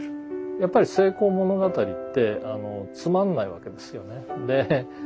やっぱり成功物語ってつまんないわけですよね。